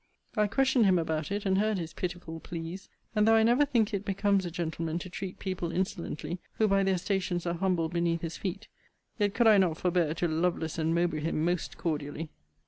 I questioned him about it, and heard his pitiful pleas; and though I never think it becomes a gentleman to treat people insolently who by their stations are humbled beneath his feet, yet could I not forbear to Lovelace and Mowbray him most cordially.